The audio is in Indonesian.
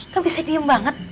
kan bisa diem banget